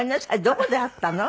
どこで会ったの？